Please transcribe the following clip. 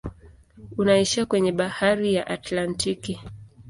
Unaishia kwenye bahari ya Atlantiki.